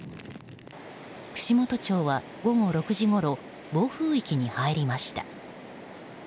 串本町は、午後６時ごろ暴風域に入りました。